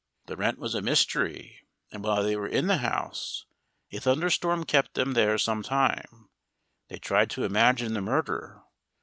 The rent was a mystery, and while they were in the house a thunderstorm kept them there some time they tried to imagine the murder.